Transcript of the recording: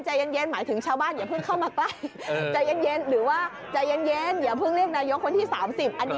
หมายถึงข้าวบ้านจอข้ามาที่ใบ